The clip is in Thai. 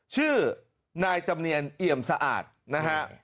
ชื่อนายจำเนียนเอี่ยมสะอาดนะฮะ